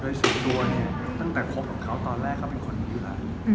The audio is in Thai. โดยส่วนตัวเนี้ยตั้งแต่ครบหมดเค้าตอนแรกก็เป็นคนมีหรอ